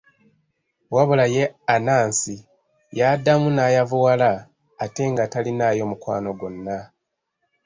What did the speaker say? Wabula ye Anansi yaddamu n'ayavuwala ate nga talinaayo mukwano gwonna.